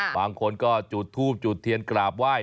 บางคนก็จุดทูบจุดเทียนกราบไหว้